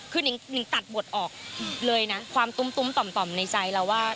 คือนิ่งตัดบทออกเลยนะความตุ้มต่อมในใจเราว่า